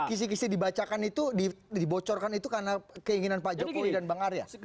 kisi kisi dibacakan itu dibocorkan itu karena keinginan pak jokowi dan bang arya